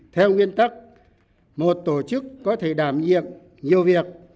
theo nguyên tắc một tổ chức có thể đảm nhiệm nhiều việc